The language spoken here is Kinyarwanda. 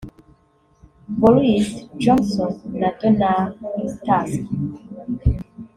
Boris Johnson na Donald Tusk